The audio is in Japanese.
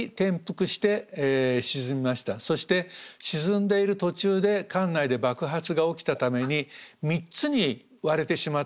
そして沈んでいる途中で艦内で爆発が起きたために３つに割れてしまったんですね。